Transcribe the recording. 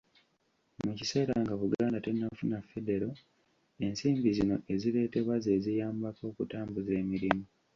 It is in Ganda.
Mu kiseera nga Buganda tennafuna Federo, ensimbi zino ezireetebwa ze ziyambako okutambuza emirimu.